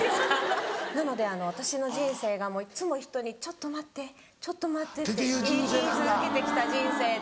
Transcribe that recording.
なので私の人生がもういっつも人に「ちょっと待ってちょっと待って」って言い続けてきた人生で。